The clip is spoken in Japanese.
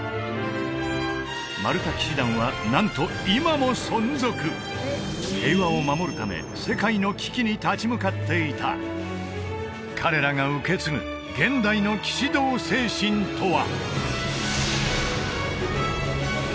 マルタ騎士団はなんと今も存続平和を守るため世界の危機に立ち向かっていた彼らが受け継ぐ現代の騎士道精神とは？